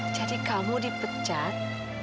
jadi kamu dipecat